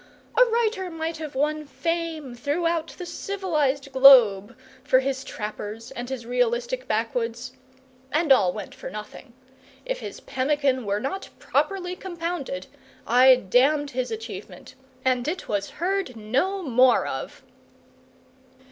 A writer might have won fame throughout the civilized globe for his trappers and his realistic backwoods, and all went for nothing. If his pemmican were not properly compounded I damned his achievement, and it was heard no more of.